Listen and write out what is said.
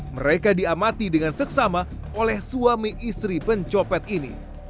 mereka diamati dengan seksama oleh suami istri pencopet ini